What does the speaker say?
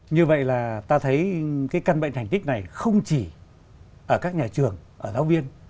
như vậy là ta thấy cái căn bệnh thành tích này không chỉ ở các nhà trường ở giáo viên